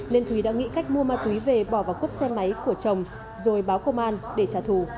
nên thúy đã nghĩ cách mua ma túy về bỏ vào cốp xe máy của chồng rồi báo công an để trả thù